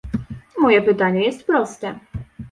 Moje pytanie jest proste